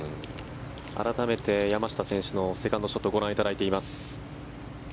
改めて山下選手のセカンドショットをご覧いただいています。